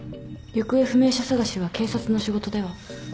行方不明者捜しは警察の仕事では？